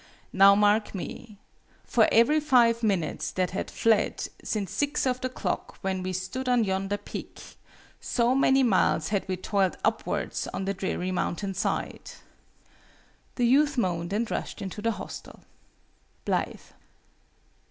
Now mark me! For every five minutes that had fled since six of the clock when we stood on yonder peak, so many miles had we toiled upwards on the dreary mountainside!" The youth moaned and rushed into the hostel. BLITHE.